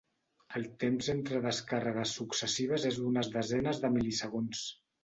El temps entre descàrregues successives és d’unes desenes de mil·lisegons.